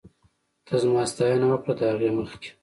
ته زما ستاينه وکړه ، د هغې مخکې